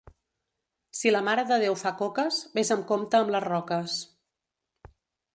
Si la Mare de Déu fa coques, ves amb compte amb les roques.